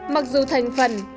mặc dù thành phần